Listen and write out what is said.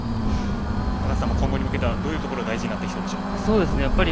高橋さんも今後に向けてはどのようなところが大事になってくるでしょう。